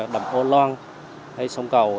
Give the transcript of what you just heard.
đầm âu loan hay sông cầu